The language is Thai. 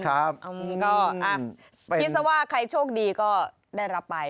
ก็คิดซะว่าใครโชคดีก็ได้รับไป